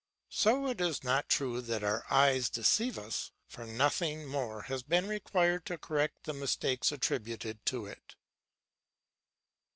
So it is not true that our eyes deceive us, for nothing more has been required to correct the mistakes attributed to it.